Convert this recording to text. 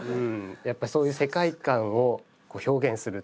やっぱりそういう世界観を表現する。